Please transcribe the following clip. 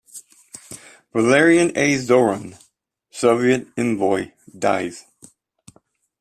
Valerian A. Zorin, Soviet Envoy, Dies.